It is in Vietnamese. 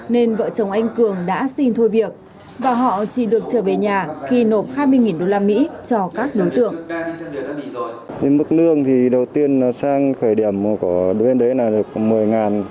nên đầu năm nay hai vợ chồng anh chị đã quyết định sang đất nước này